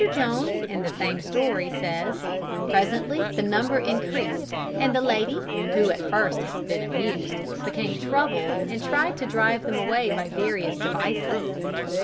Jones, in the same story, says: "Presently the number increased, and the lady, who at first had been amused, became troubled, and tried to drive them away by various devices.